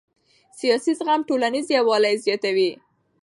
سیاسي زغم ټولنیز یووالی زیاتوي